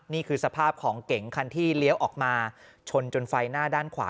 นี่คือสภาพของเก๋งคันที่เลี้ยวออกมาชนจนไฟหน้าด้านขวา